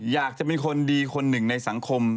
อยากจะเป็นคนดีคนหนึ่งในสังคม